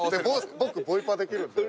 僕ボイパできるんで。